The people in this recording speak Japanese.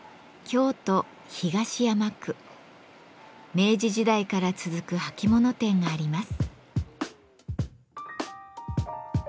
明治時代から続く履物店があります。